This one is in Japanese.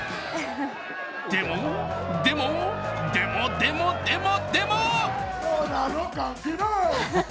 でも、でも、でもでもでも！